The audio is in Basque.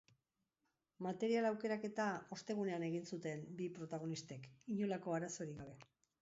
Material aukeraketa ostegunean egin zuten bi protagonistek, inolako arazorik gabe.